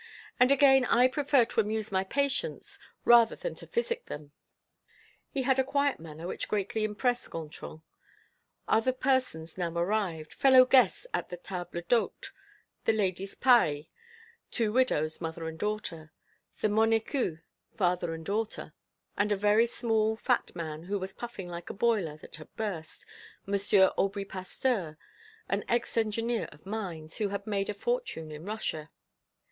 And again I prefer to amuse my patients rather than to physic them." He had a quiet manner which greatly pleased Gontran. Other persons now arrived, fellow guests at the table d'hôte the ladies Paille, two widows, mother and daughter; the Monecus, father and daughter; and a very small, fat, man, who was puffing like a boiler that had burst, M. Aubry Pasteur, an ex engineer of mines, who had made a fortune in Russia.